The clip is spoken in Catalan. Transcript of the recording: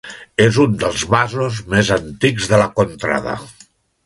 És un dels masos més antics de la contrada.